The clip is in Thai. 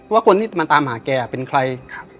ว่าคนที่มาตามหาแกเป็นใคร